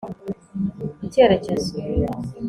icyerekezo